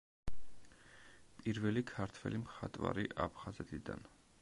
პირველი ქართველი მხატვარი აფხაზეთიდან.